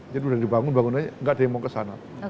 jadi udah dibangun bangunannya nggak ada yang mau ke sana